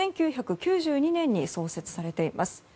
１９９２年に創設されています。